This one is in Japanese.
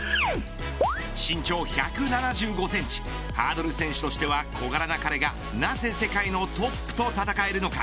身長１７５センチハードル選手としては小柄な彼がなぜ世界のトップと戦えるのか。